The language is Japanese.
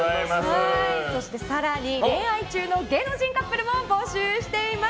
そして更に恋愛中の芸能人カップルも募集しています。